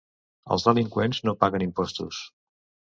Els delinqüents no paguen impostos.